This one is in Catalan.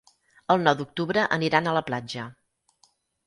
El nou d'octubre aniran a la platja.